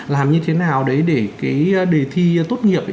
làm như thế nào đấy để cái đề thi tốt nghiệp